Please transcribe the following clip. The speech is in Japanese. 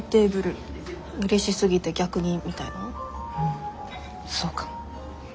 んそうかも。